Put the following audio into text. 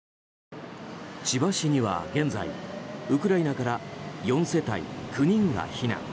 千葉市には現在ウクライナから４世帯９人が避難。